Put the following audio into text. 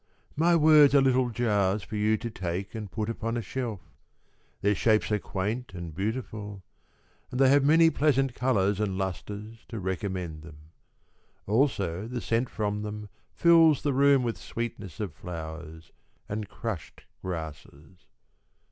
My words are little jars For you to take and put upon a shelf. Their shapes are quaint and beautiful, And they have many pleasant colours and lustres To recommend them. Also the scent from them fills the room With sweetness of flowers and crushed grasses.